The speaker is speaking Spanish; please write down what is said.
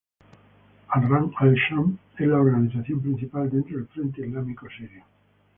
Ahrar al-Sham es la organización principal dentro del Frente Islámico Sirio.